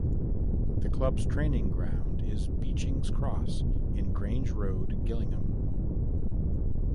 The club's training ground is Beechings Cross, in Grange Road, Gillingham.